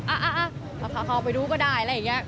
อะเราขาเขาไปดูก็ได้อะไรอย่างนี้